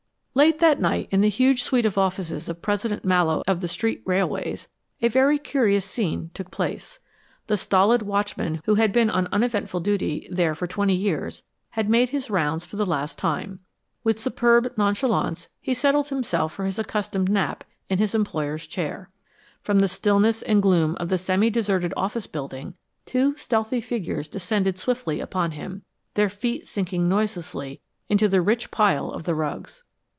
Late that night in the huge suite of offices of President Mallowe of the Street Railways, a very curious scene took place. The stolid watchman who had been on uneventful duty there for twenty years had made his rounds for the last time. With superb nonchalance, he settled himself for his accustomed nap in his employer's chair. From the stillness and gloom of the semi deserted office building two stealthy figures descended swiftly upon him, their feet sinking noiselessly into the rich pile of the rugs.